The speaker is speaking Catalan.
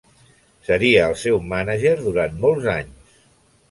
Seria el seu mànager durant molts anys.